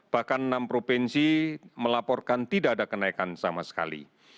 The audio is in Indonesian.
bahkan enam provinsi melaporkan tidak ada kenaikan sama sekali